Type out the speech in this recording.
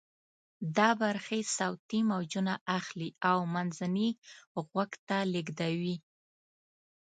دا برخې صوتی موجونه اخلي او منځني غوږ ته لیږدوي.